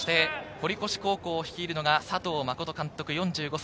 堀越高校を率いるのが佐藤実監督、４５歳。